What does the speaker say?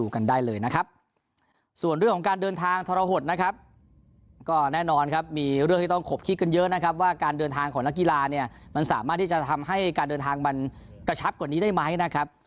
การเดินทางของนักกีฬามันสามารถทำให้จะทำให้การเดินทางมันกระชับกว่านี้ได้ไหมนะครับ